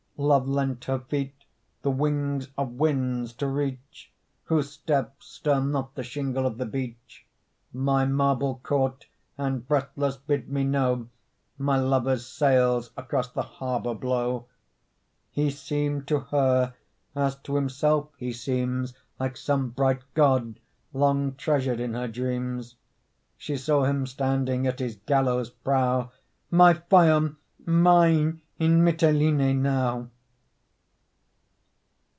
Love lent her feet the wings of winds to reach (Whose steps stir not the shingle of the beach) My marble court and, breathless, bid me know My lover's sails across the harbor blow. He seemed to her, as to himself he seems, Like some bright God long treasured in her dreams; She saw him standing at his galley's prow My Phaon, mine, in Mitylene now!